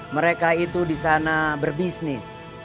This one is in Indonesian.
mereka itu di sana berbisnis